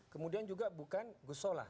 kemudian juga bukan gus solah